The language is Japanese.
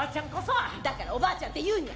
だからおばあちゃんて言うニャ。